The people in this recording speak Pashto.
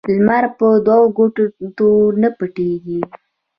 لمر په دوو ګوتو نه پټېږي